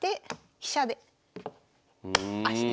飛車で。